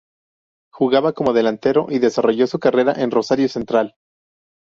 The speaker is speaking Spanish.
Jugaba como delantero y desarrolló su carrera en Rosario Central.